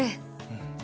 うん。